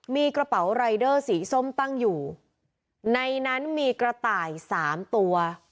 มีกระเป๋ารายเดอร์สีส้มตั้งอยู่ในนั้นมีกระต่ายสามตัว